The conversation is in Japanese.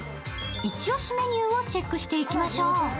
イチ押しメニューをチェックしていきましょう。